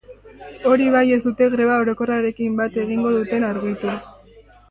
Hori bai, ez dute greba orokorrarekin bat egingo duten argitu.